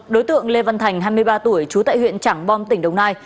đối tượng lê văn thành hai mươi ba tuổi trú tại huyện trảng bom tỉnh đồng nai